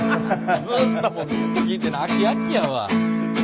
ずっとだもん聞いてるの飽き飽きやわ。